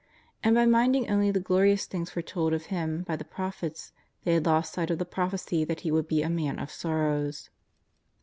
And by minding only the glorious things foretold of Him by , the Prophets, they had lost sight of the prophecy that He would be a Man of Sorrows.